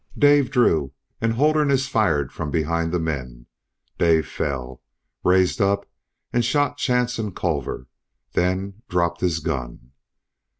"Dave drew and Holderness fired from behind the men. Dave fell, raised up and shot Chance and Culver, then dropped his gun.